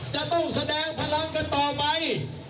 จะต้องแสดงพลังกันต่อไป